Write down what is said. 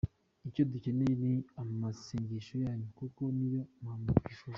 Icyo dukeneye ni amasengesho yanyu, kuko niyo mpamba twifuza”.